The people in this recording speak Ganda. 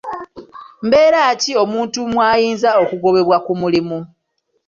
Mbeera ki omuntu mw'ayinza okugobebwa ku mulimu?